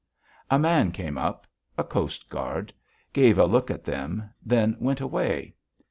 A man came up a coast guard gave a look at them, then went away.